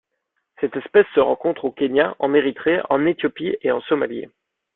Cette espèce se rencontre au Kenya, en Érythrée, en Éthiopie et en Somalie.